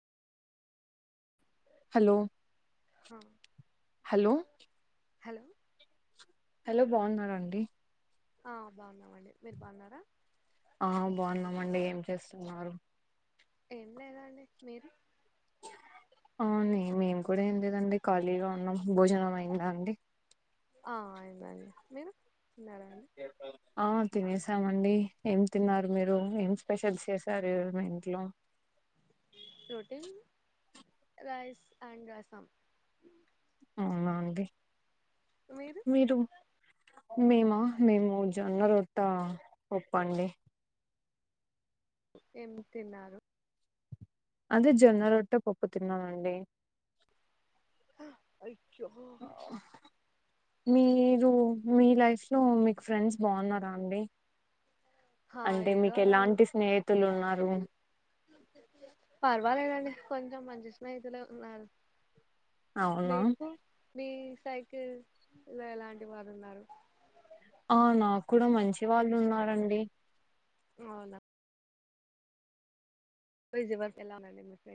Hello హా hello hello hello బాగున్నరాండ్డి ఆ బాగున్నామండి మీరు బాగున్నారా ఆ బాగున్నామండి ఏం చేస్తున్నారు ఏం లేదా అండి మీరు అవ్నే మేం కూడా ఏం లేదండి కాలిగా ఉన్నాం భోజనం అయిందా అండి. ఆ అయిందండి. మీరు తిన్నారా అండి ఆ తినేసామండి. ఏం తిన్నారు మీరు ఏం స్పెషల్స్ చేసారు. మీ ఇంట్లో ప్రోటీన్ రైస్ అండ్ రసం అవ్నా అండి మీరు మేమా మేము జొన్న రొట్ట పప్పండి ఏం తిన్నారు. అదే జొన్న రొట్ట పప్పు తిన్నానండి. అ య్యో మీరు మీ లైఫ్లో మీకు ఫ్రెండ్స్ బాగున్నారా అండి హా అంటే ఏదో మీకు అలా ఎలాంటి స్నేహితులు ఉన్నారు. కొంచం మంచి స్నేహితులే ఉన్నారు. అవునా మీకు మీ సైకిల్ లో ఎలాంటి వారు ఉన్నారు ఆ నాకు కూడా మంచి వాళ్ళు ఉన్నారండి. అవునా [inaudible]